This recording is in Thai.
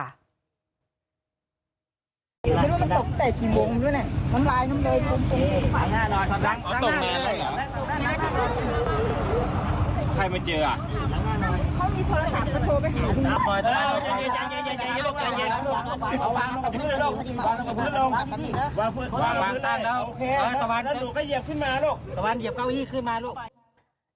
วางตั้งแล้วตะวันเหยียบเก้าอี้ขึ้นมาล่ะ